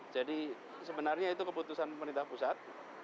jadi sebenarnya itu keputusan pemerintah pusat